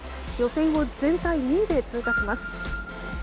予選を全体２位で通過します。